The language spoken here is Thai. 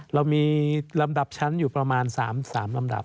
เรามีลำดับชั้นอยู่ประมาณ๓ลำดับ